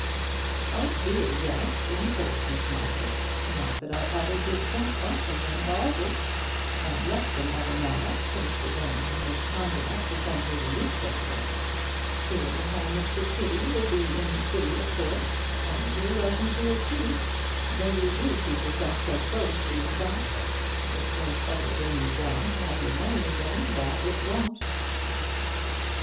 "Oh dear, yes, in course, Miss Margaret; not that I ever did think much of them Ballses, and less than ever now, since the gentleman was kind enough to send me the newspaper. But she's welcome to the room, seeing as how Mr Tiddy will be in the City, of course; and you're welcome to it, too, though you do keep yourself so close to yourself, which won't ever bring you round to have your money again; that it won't."